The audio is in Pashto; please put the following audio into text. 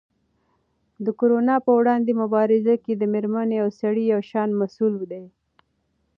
د کرونا په وړاندې مبارزه کې مېرمنې او سړي یو شان مسؤل دي.